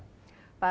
pak doni terima kasih